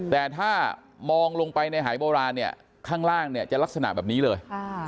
แต่ถ้ามองลงไปในหายโบราณข้างล่างจะลักษณะแบบนี้เลย